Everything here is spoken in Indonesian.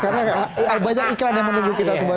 karena banyak iklan yang menunggu kita semua